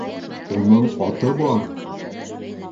Уның аты бар!